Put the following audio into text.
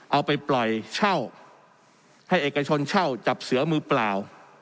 เอาไปปล่อยเช่าให้เอกชนเช่าจับเสือมือเปล่า